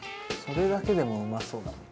それだけでもうまそうだな。